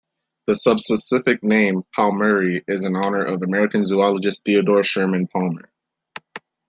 The subspecific name, "palmeri", is in honor of American zoologist Theodore Sherman Palmer.